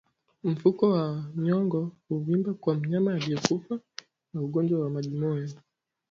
Mfuko wa nyongo huvimba kwa mnyama aliyekufa kwa ugonjwa wa majimoyo